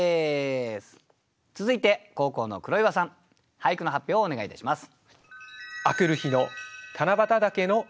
続いて後攻の黒岩さん俳句の発表をお願いいたします。